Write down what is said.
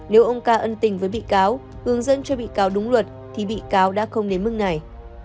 nếu ông ca ân tình với bị cáo hướng dẫn cho bị cáo đúng luật thì bị cáo đã không đến mức này